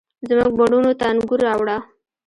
زموږ بڼوڼو ته انګور، راوړه،